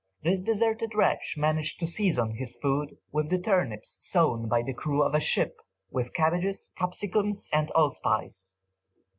] This deserted wretch managed to season his food with the turnips sown by the crew of a ship, with cabbages, capsicums, and all spice.